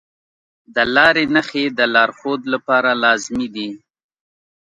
د لارې نښې د لارښود لپاره لازمي دي.